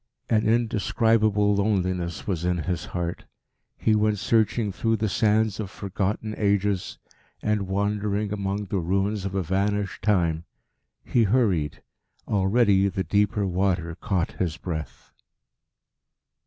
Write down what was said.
An indescriable loneliness was in his heart. He went searching through the sands of forgotten ages, and wandering among the ruins of a vanished time. He hurried. Already the deeper water caught his breath.